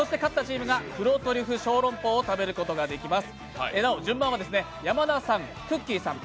そして勝ったチームが黒トリュフ小籠包を食べることができます。